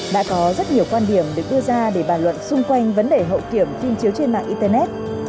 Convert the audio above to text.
đã có rất nhiều quan điểm được đưa ra để bàn luận xung quanh vấn đề hậu kiểm tin chiếu trên mạng internet